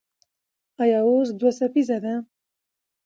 ایا اوس دوه څپیزه ده؟